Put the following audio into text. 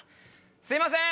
すいません！